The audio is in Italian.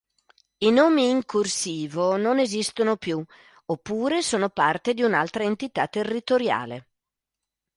I nomi in "corsivo" non esistono più oppure sono parte di un'altra entità territoriale.